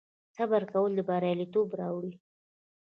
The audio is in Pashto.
صبر کول بریالیتوب راوړي